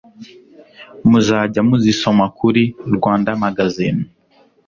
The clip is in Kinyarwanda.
muzajya muzisoma kuri Rwandamagazine